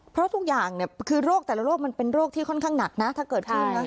เพราะทุกอย่างเนี่ยคือโรคแต่ละโรคมันเป็นโรคที่ค่อนข้างหนักนะถ้าเกิดขึ้นนะ